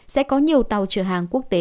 sẽ có nhiều tàu trở hàng quốc tế